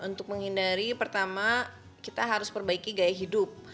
untuk menghindari pertama kita harus perbaiki gaya hidup